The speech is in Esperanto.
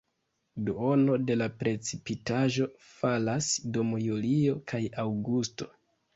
Duono de la precipitaĵo falas dum julio kaj aŭgusto.